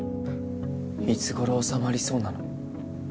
いつごろ収まりそうなの？